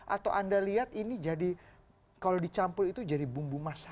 atau anda lihat ini jadi kalau dicampur itu jadi bumbu masak